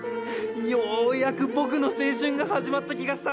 ようやく僕の青春が始まった気がした。